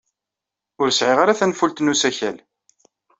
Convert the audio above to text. Ur sɛiɣ ara tanfult n usakal.